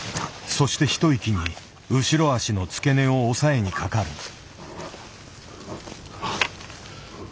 そして一息に後ろ足の付け根を押さえにかかる。